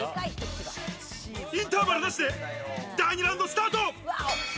インターバルなしで第２ラウンドスタート！